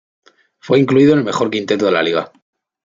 Fue incluido en el mejor quinteto de la liga.